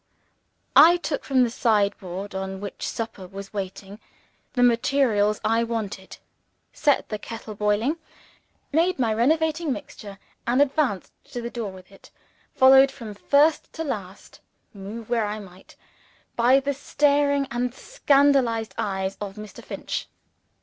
I took from the sideboard, on which supper was waiting, the materials I wanted; set the kettle boiling; made my renovating mixture; and advanced to the door with it followed from first to last, move where I might, by the staring and scandalized eyes of Mr. Finch.